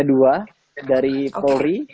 dua dari polri